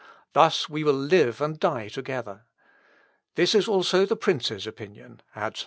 Thus we will live and die together. This is also the prince's opinion," adds Staupitz.